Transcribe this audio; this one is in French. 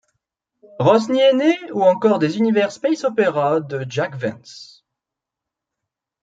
Rosny aîné ou encore des univers space opera de Jack Vance.